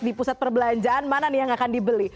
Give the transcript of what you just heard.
di pusat perbelanjaan mana nih yang akan dibeli